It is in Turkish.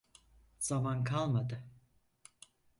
Zaman kalmadı.